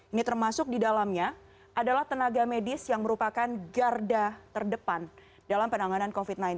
ini termasuk di dalamnya adalah tenaga medis yang merupakan garda terdepan dalam penanganan covid sembilan belas